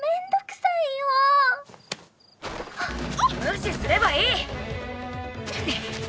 無視すればいい！